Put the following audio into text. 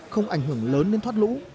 không ảnh hưởng lớn đến thoát lũ